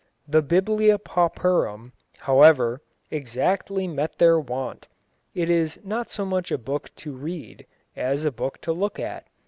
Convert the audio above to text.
The Biblia Pauperum, however, exactly met their want. It is not so much a book to read, as a book to look at.